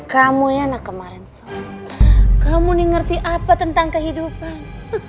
kamu ini anak kemarin kamu ini ngerti apa tentang kehidupan